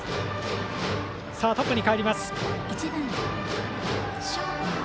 さあ、トップにかえります。